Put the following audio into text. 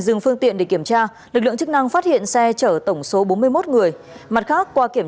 dừng phương tiện để kiểm tra lực lượng chức năng phát hiện xe chở tổng số bốn mươi một người mặt khác qua kiểm